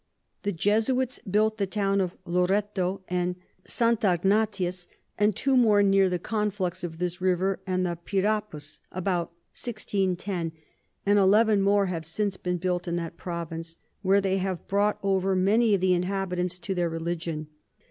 The Jesuits built the Towns of Loretto and St Ignatius, and two more near the Conflux of this River and the Pyrapus, about 1610, and eleven more have since been built in that Province, where they have brought over many of the Inhabitants to their Religion.